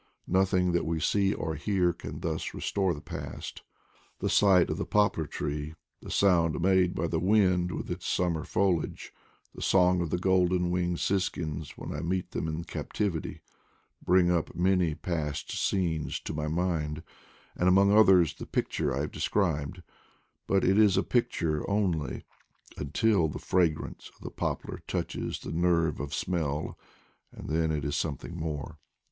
Nothing that we see or hear can thus restore the past. The sight of the poplar tree, the sound made by the wind in its summer foliage, the song of the golden winged siskins when I meet with them in captivity, bring up many past scenes to my mind, and among others the picture I have described; but it is a picture only, until the fragrance of the poplar touches the nerve of smell, and then it is some thing more.